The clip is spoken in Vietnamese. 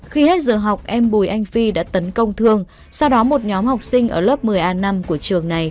khi hết giờ học em bùi anh phi đã tấn công thương sau đó một nhóm học sinh ở lớp một mươi a năm của trường này